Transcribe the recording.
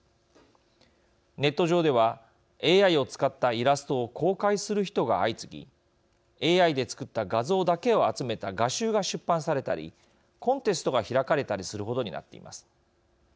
ネット上では、ＡＩを使ったイラストを公開する人が相次ぎＡＩで作った画像だけを集めた画集が出版されたりコンテストが開かれたりする程になっています。